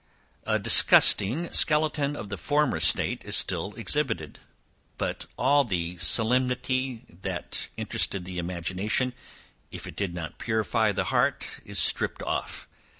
A disgusting skeleton of the former state is still exhibited; but all the solemnity, that interested the imagination, if it did not purify the heart, is stripped off.